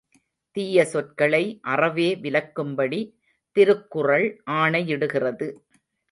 தீய சொற்களை அறவே விலக்கும்படி திருக்குறள் ஆணையிடுகிறது.